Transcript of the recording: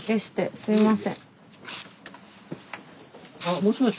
あもしもし？